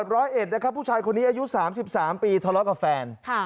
ร้อยเอ็ดนะครับผู้ชายคนนี้อายุ๓๓ปีทะเลาะกับแฟน